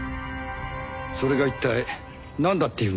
それが一体なんだっていうんですか？